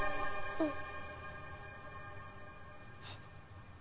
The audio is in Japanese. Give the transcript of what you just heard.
うん。